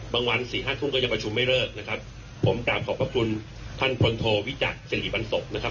วันสี่ห้าทุ่มก็ยังประชุมไม่เลิกนะครับผมกลับขอบพระคุณท่านพลโทวิจักษ์สิริบันศพนะครับ